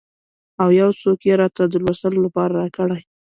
او یو څوک یې راته د لوستلو لپاره راکړي.